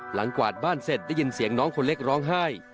กวาดบ้านเสร็จได้ยินเสียงน้องคนเล็กร้องไห้